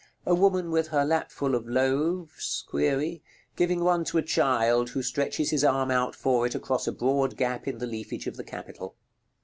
A woman with her lap full of loaves(?), giving one to a child, who stretches his arm out for it across a broad gap in the leafage of the capital.